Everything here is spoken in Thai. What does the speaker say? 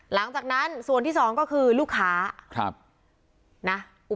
หลังจากนั้นส่วนที่สองก็คือลูกค้าครับนะ